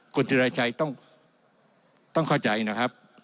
คุณจิราชัยต้องเข้าใจนะครับ